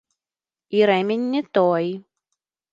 І рэмень не той.